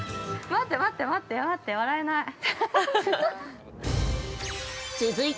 ◆待って待って、待って待って笑えない◆